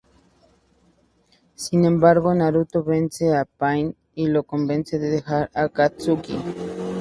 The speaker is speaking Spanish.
Sin embargo, Naruto vence a Pain y lo convence de dejar Akatsuki.